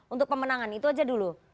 untuk pemenangan itu aja dulu